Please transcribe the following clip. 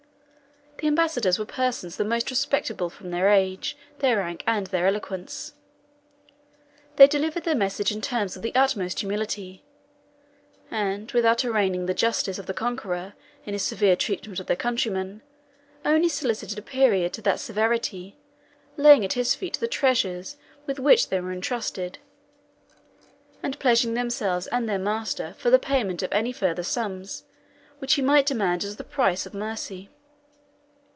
The ambassadors were persons the most respectable from their age, their rank, and their eloquence. They delivered their message in terms of the utmost humility; and without arraigning the justice of the conqueror in his severe treatment of their countrymen, only solicited a period to that severity, laying at his feet the treasures with which they were entrusted, and pledging themselves and their master for the payment of any further sums which he might demand as the price of mercy.